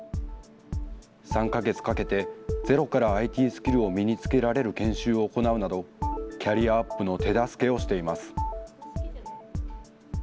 ３か月かけてゼロからＩＴスキルを身につけられる研修を行うなど、キャリアアップの手助けをしています。